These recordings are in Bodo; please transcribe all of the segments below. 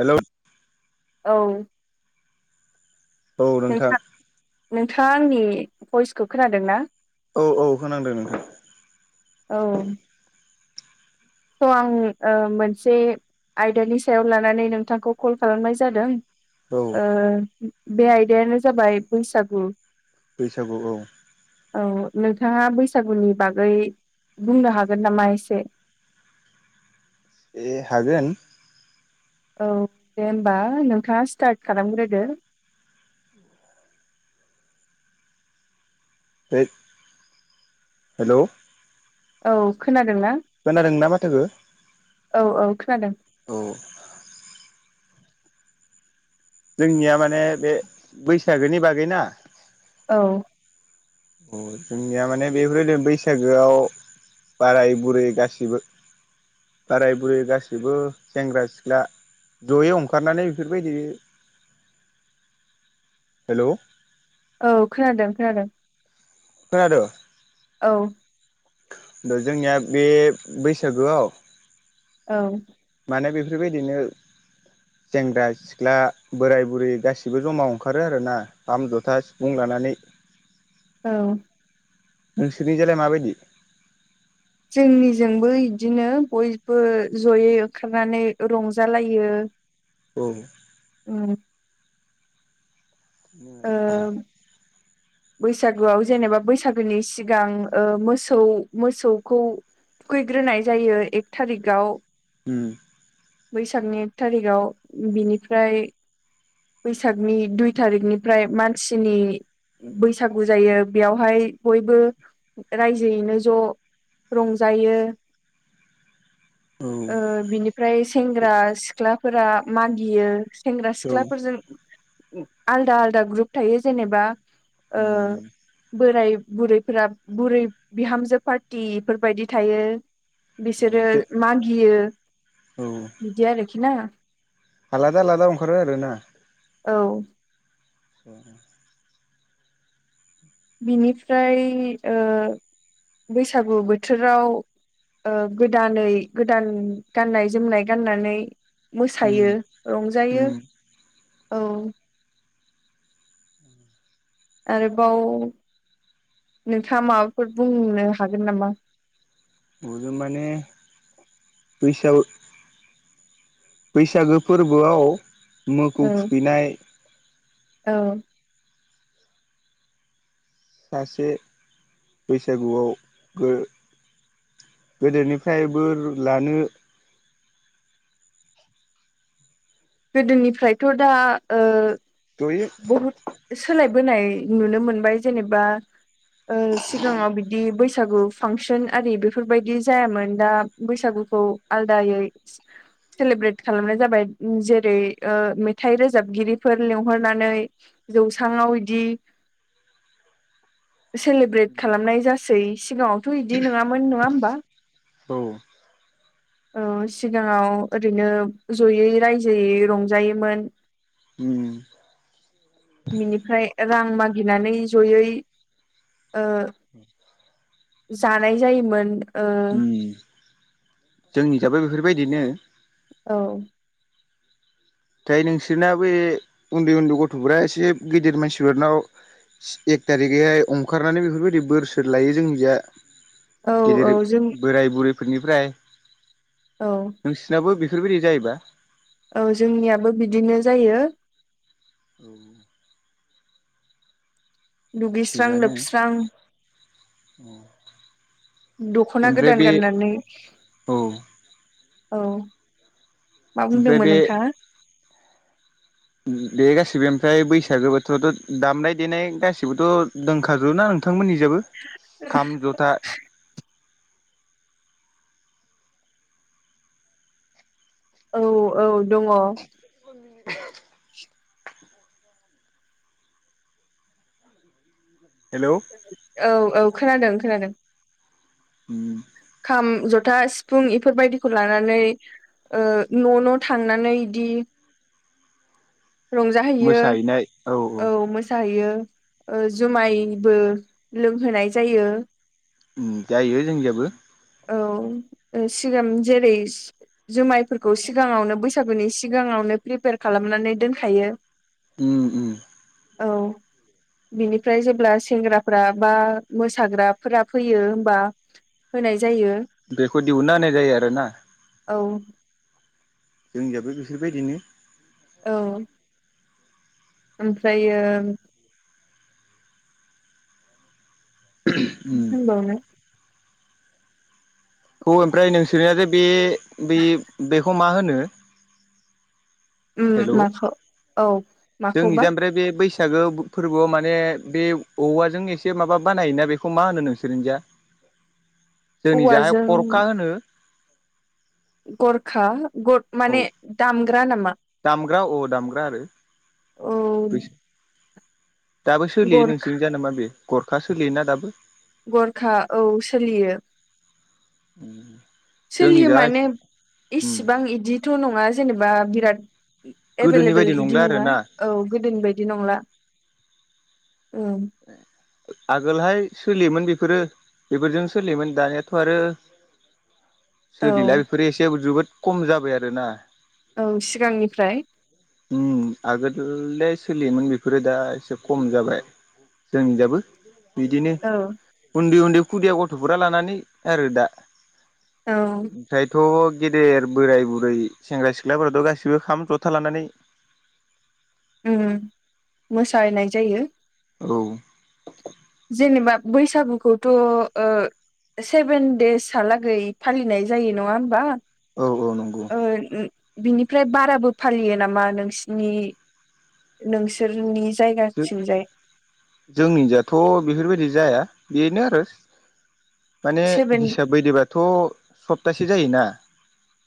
हेलौ। औ। नोंथां नोंथाङा आंनि भइसखौ खोनादोंना? औ औ खोनादों नोंथां। औ। स' आं ओ मोनसे आयदानि सायाव लानानै नोंथांखौ कल खालामनाय जादों। औ ओ बे आयदायानो जाबाय बैसागु। बैसागु औ। औ नोंथाङा बैसागुनि बागै बुंनो हागोन नामा एसे। ए हागोन। औ दे होमबा नोंथाङा स्टार्ट खालामग्रोदो। ए [inaudible] हेल'। औ खोनादों ना? खोनादोंना माथोखौ? औ खोनादों [inaudible] औ। जोंनिया माने बे बैसागोनि बागैना? औ। अ जोंनिया माने बेफोरबायदि बैसागोआव बाराय बुरै गासिबो बाराय बुरै गासिबो सेंग्रा सिख्ला जयै ओंखारनानै बेफोरबायदि [inaudible] [inaudible] हेल'। औ खोनादों खोनादों। खोनादो? औ। दा जोंनिया बे बैसागोआव औ। माने बेफोरबायदिनो सेंग्रा सिख्ला सिख्ला बोराय बुरै गासिबो ज'मा ओंखारो आरोना दाम जथा सिफुं लानानै। औ। नोंसोरनिजालाय माबायदि जोंनिजोंबो बिदिनो बयबो ज'यै ओंखारनानै रंजालायो। औ। उम। ओम [inaudible] बैसागोआव जेनेबा बैसागोनि सिगां ओ मोसौ मोसौखौ खुयैग्रोनाय जायो एक थारिकाव। उम। बैसागोनि एक थारिगाव बिनिफ्राय बैसागनि दुइ थारिखनिफ्राय मानसिनि बैसागु जायो बेयावहाय बयबो रायजोयैनो ज' रंजायो। [inaudible] ओ बिनिफ्राय सेंग्रा सिख्लाफोरा मागियो। सेंग्रा औ सिख्लाफोरजों आलदा आलदा ग्रुप थायो जेनेबा ओ। उम बोराय बुरैफोरा बुरै बिहामजो पार्टि एफोरबायदि थायो। बिसोरो एसे मागियो। औ। बिदि आरोखि ना। आलादा आलादा ओंखारो आरोना। औ। [inaudible] बिनिफ्राय ओ बैसागु बोथोराव ओ गोदानै गोदान गाननाय जोमनाय गाननानै उम मोसायो उम रंजायो औ आरोबाव नोंथाङा माबाफोर बुंनो हागोन नामा माने फैसा बैसागो फोरबोआव मोखौ औ थुखैनाय औ सासे बैसागुआव गो गोदोनिफ्राय बो लानो गोदोनिफ्रायथ' दा ओ [unintelligible] बहुद सोलायबोनाय नुनो मोनबाय जेनेबा ओ सिगाङाव बिदि बैसागु फांसन आरि बेफोरबायदि जायामोन दा बैसागुखौ आलदायै सेलेब्रेट खालामनाय जाबाय जेरै ओ मेथाइ रोजाबगिरिफोर लिं हरनानै जौस्राङाव बिदि सेलेब्रेट खालामनाय जासै सिगाङावथ' बिदि नङामोन नङा होमबा औ औ सिगाङाव ओरैनो जयै रायजोयै रंजायोमोन उम बिनिफ्राय रां मागिनानै जयै जानाय जायोमोन ओ उम जोंनि जाबो बेफोरबायदिनो औ दायो नोंसोरना बे उन्दै उन्दै गथ'फोरा एसे गेदेर मानसिफोरनाव सि एक थारिखैहाय अंखारनानै बेफोरबायदि बोर सोर लायो जों निजा औ औ गेदेर जों बोराय बुरैफोरनिफ्राय औ नोंसिनाबो बेफोरबायदि जायोबा औ जोंनियाबो बिदिनो जायो औ दुगैस्रां थिगानो लोबस्रां दख'ना ओमफ्राय गोदान बे गाननानै औ औ मा ओमफ्राय बुंदोंमोन बे नोंथाङा [unintelligible] गासिबो ओमफ्राय बैसागो बोथोरावथ' दामनाय देनाय गासैबोथ' दंखाजोबो ना नोंथांमोननिजाबो खाम जथा औ औ दङ हेलौ औ औ खोनादों खोनादों ओम खाम जथा सिफुं इफोरबायदिखौ लानानै ओ न' न' थांनानै इदि रंजाहैयो औ मोसाहैयो ओ जुमायबो लोंहोनाय जायो ओम जायो जोंनिजाबो औ सिगां जेरै सि जोमायफोरखौ सिगाङावनो बैसागोनि सिगाङावनो प्रिपेयार खालामनानै दोनखायो उम उम औ बिनिफ्राय जेब्ला सेंग्राफोरा बा मोसाग्राफोरा फैयो होमबा होनाय जायो बेखौ दिहुनना होनाय जायो आरो ना औ जोंनियाबो बेफोरबायदिनो औ ओमफ्रायो [inaudible] होनबावनो खौ ओमफ्राय नोंसोरनिया जे बे बै बेखौ मा होनो उम हेल' माखौ औ जोंनि माखौबा दा ओमफ्राय बे बै सागो फोरबोआव माने बे औवाजों एसे माबा बानायोना बेखौ मा होनो नोंसोरनिजा [inaudible] जोंनि जाहाय खरखा होनो गरखा ग औ माने दामग्रा नामा? दामग्रा अ दामग्रा आरो औ बै दाबो सोलियो गरखा नोंसोरनि जानो मा बे गरखा सोलियोना दाबो गरखा औ सोलियो उम जोंनि सोलियो जा माने इसिबां इदिथ' नङा जेनेबा बिराद गोदोनि एबेलेबोल बायदि इदि नंला नङा आरोना औ गोदोनि बायदि नंला उ आगोलहाय सोलियोमोन बेफोरो बेफोरजों सोलियोमोन दानियाथ' आरो [inaudible] सोलिला बेफोरो एसे जोबोद खम जाबाय आरोना औ सिगांनिफ्राय आगोलथ सोलियोमोन बेफोरो दा एसे खम जाबाय जोंनिजाबो बिदिनो औ उन्दै उन्दै खुदिया गथ'फोरा लानानै आरो दा औ ओमफ्रायथ' गेदेर बोराय-बुरै सेंग्रा-सिख्लाफोराथ' गासिबो खाम, जथा लानानै मोसानाय जायो औ जेनेबा बैसागुखौथ' ओ सेभेन देसहालागै फालिनाय जायो नङा होमबा? औ औ नंगौ ओ बिनिफ्राय बाराबो फालियो नामा नोंसिनि नोंसोरनि जायगाथिंजाय जोंनि जाथ' बेफोरबायदि जाया बेनो आरो माने सेभेन हिसाब बायदबाथ' सप्तासे जायोना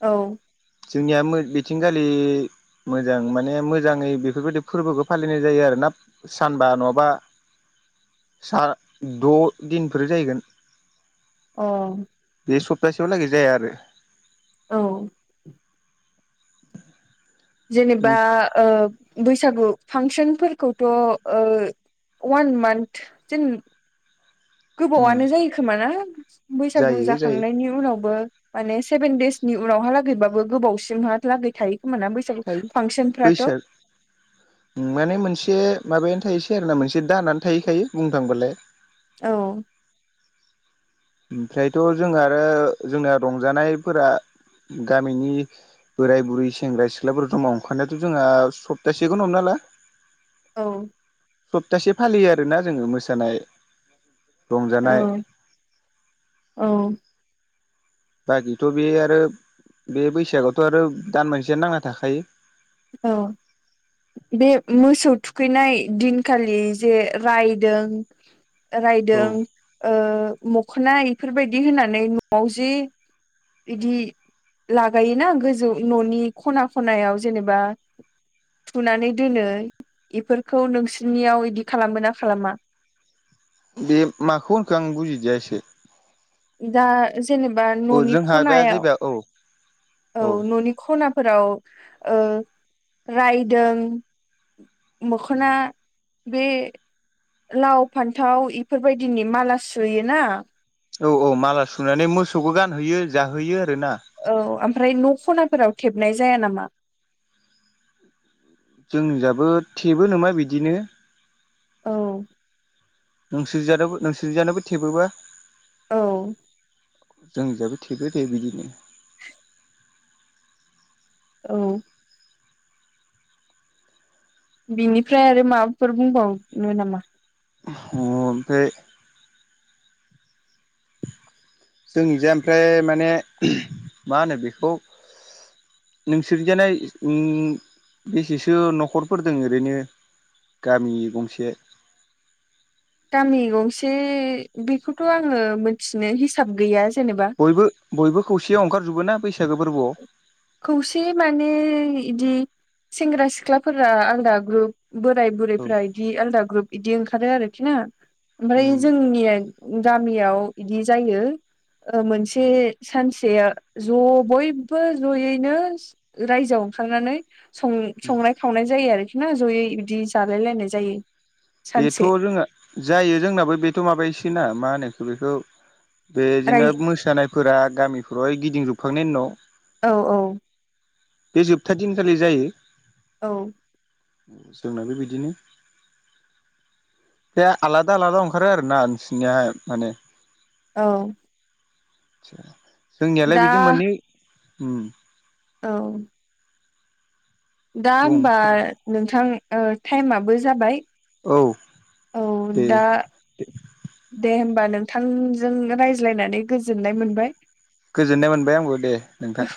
औ जोंनिया बेथिंगालि मोजां माने मोजाङै बेफोरबायदि फोरबोखौ फालिनाय जायो आरोना सानबा नङाबा सा द' दिनफोर जाहैगोन अ बे सप्तासेयाव लागै जाया आरो औ जेनेबा उम ओ बैसागु फांसनफोरखौथ' ओ वान मान्थ जेन उम गोबावनो जायो खोमाना बैसागु जायो जायो जाखांनायनि उनावबो माने सेभेन देसनि उनावहा लागैबाबो गोबावसिमहा लागै थायो खोमोना बै थायो बैसोर माने मोनसे माबायानो थाहसै आरोना मोनसे दानो थाहैखायो बुंनो थांबालाय औ। ओमफ्रायथ' जोंहा आरो जोंना रंजानायफोरा गामिनि बोराय बुरै, सेंग्रा सिख्लाफोर जमा ओंखारनायाथ' जोंहा सप्तासेखौनो हमना ला। औ। सप्तासे फालियो आरोना जोङो मोसानाय रंजानाय औ औ। बाखिथ' बे आरो बे बैसागआवथ' आरो दान मोनसेयानो नांना थाखायो। औ। बे मोसौ थुखैनाय दिनखालि जे रायदों औ रायदों ओ मखोना इफोरबायदि होनानै न'आव जि इदि लागायोना गोजौ न'नि खना खनायाव जेनेबा बा थुनानै दोनो इफोरखौ नोंसोरनियाव इदि खालामो ना खालामा? बे माखौ होनखो आं बुजिदिया एसे। दा जेनेबा औ न'नि जोंहा बे खनायाव, जाहैबाय औ औ न'नि खना फोराव ओ रायदों, मोखोना बे लाव फान्थाव बेफोरबायदिनि माला सुयोना औ औ माला सुनानै मोसौखौ गानहैयो, जाहोयो आरोना। औ ओमफ्राय न' खनाफोराव थेबनाय जाया नामा? जोंनिजाबो थेबो नामा बिदिनो! औ। नोंसोरजानाबो नोंसोरजानाबो थेबोबा? औ। जोंनिजाबो थेबो दे बिदिनो। औ। बिनिफ्राय आरो माबाफोर बुंबावनो नामा? अह ओमफ्राय जोंनिजाय ओमफ्राय माने मा होनो बेखौ नोंसोरजानिया ओ बेसेसो न'खरफोर दं ओरैनो? गामि गंसे गामि गंसे बेखौथ' आङो मिथिनो हिसाब गैया जेनेबा। बयबो बयबो खौसेयाव ओंखारजुबोना बैसागु फोरबोआव? खौसे माने इदि सेंग्रा सिख्लाफोरा आलदा ग्रुप बोराय औ बुरैफ्रा इदि आलदा ग्रुप इदि ओंखारो आरोखि ना। ओमफ्राय उम जोंनिया गामियाव इदि जायो ओ मोनसे सानसे ज' बयबो जयैनो रायजोआव ओंखारनानै सं-संनाय खावनाय जायो आरोखि ना जयै बिदि जालाय लायनाय जायो। बेथ' सानसे जों जायो जोंनाबो बेथ' माबायोस ना मा होनोखौ बेखौ बेदिनो राय मोसानायफोरा गामिफ्राव गिदिंजोबखांनायनि उनाव औ औ। बे जोबथा दिनखालि जायो? औ। ओम जोंनाबो बिदिनो। बे आलादा आलादा ओंखारो आरोना नोंसिनियाहाय माने? औ। आदसा जोंनियालाय दा बिदि मोननै उम। औ। दा बुं होमबा नोंथां ओ टाइमाबो जाबाय औ औ दे दा दे होमबा नोंथांजों रायज्लायनानै गोजोननाय मोनबाय। गोजोननाय मोनबाय आंबो दे नोंथां।